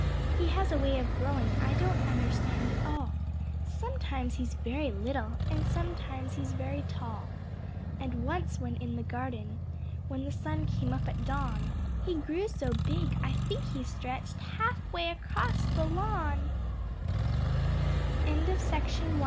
He has a way of growing, I don't understand at all. Sometimes he's very little and sometimes he's very tall. And once when in the garden when the sun came up at dawn He grew so big I think he stretched half way across the